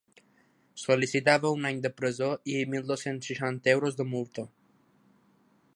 Sol·licitava un any de presó i mil dos-cents seixanta euros de multa.